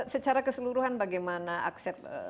secara keseluruhan bagaimana aksep